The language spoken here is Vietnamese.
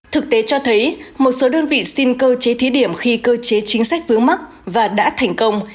thực tế cho thấy một số đơn vị xin cơ chế thí điểm khi cơ chế chính sách vướng mắc và đã thành công